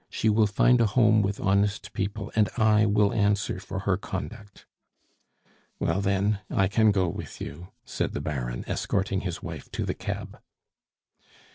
She will find a home with honest people, and I will answer for her conduct." "Well, then, I can go with you," said the Baron, escorting his wife to the cab.